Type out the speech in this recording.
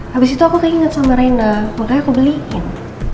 habis itu aku keinget sama renda makanya aku beliin